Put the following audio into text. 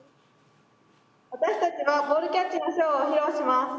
私たちはボールキャッチのショーを披露します。